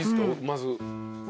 まず。